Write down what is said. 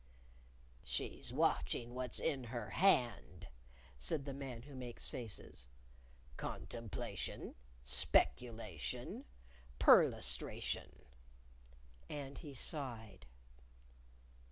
"She's watching what's in her hand," said the Man Who Makes Faces. "Contemplation, speculation, perlustration." And he sighed.